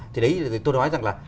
thì đấy tôi nói rằng là